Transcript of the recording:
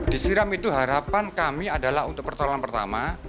disiram itu harapan kami adalah untuk pertolongan pertama